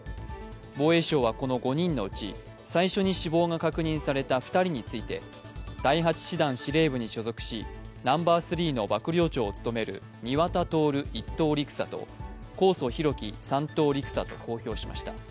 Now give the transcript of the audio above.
防衛省はこの５人のうち最初に死亡が確認された２人について第８師団司令部に所属しナンバー３の幕僚長を務める庭田徹１等陸佐と神尊皓基３等陸佐と公表しました。